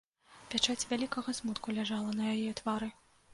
Пячаць вялікага смутку ляжала на яе твары.